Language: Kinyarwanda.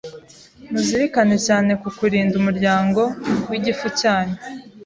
muzirikane cyane ku kurinda umuryango w’igifu cyanyu,